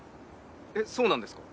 えっそうなんですか？